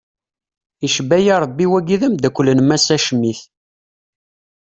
Icebbayi rebbi wagi d amdakel n massa Schmitt.